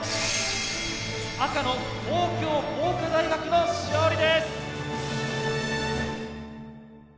赤の東京工科大学の勝利です！